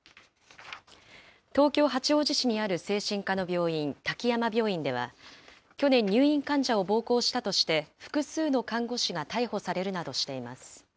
東京・八王子市にある精神科の病院、滝山病院では、去年、入院患者を暴行したとして、複数の看護師が逮捕されるなどしています。